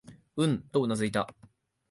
うん、とうなずいた。